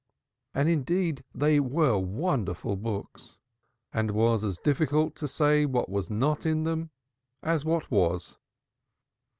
And, indeed, they were wonderful books. It was as difficult to say what was not in them as what was.